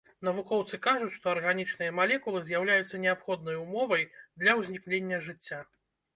Навукоўцы кажуць, што арганічныя малекулы з'яўляюцца неабходнай умовай для ўзнікнення жыцця.